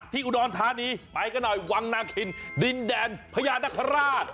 อุดรธานีไปกันหน่อยวังนาคินดินแดนพญานคราช